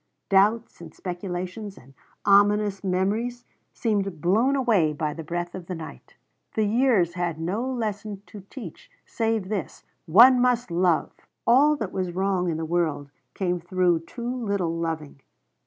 Doubts and speculations and ominous memories seemed blown away by the breath of the night. The years had no lesson to teach save this One must love! All that was wrong in the world came through too little loving.